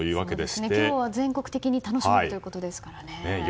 今日は全国的に楽しめるということですからね。